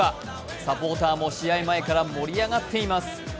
サポーターも試合前から盛り上がっています。